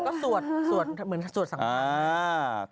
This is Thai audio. ก็สวดเหมือนสวดสังพันธุ์